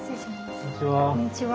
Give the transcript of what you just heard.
こんにちは。